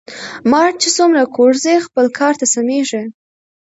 مار چی څومره کوږ ځي خپل کار ته سمیږي .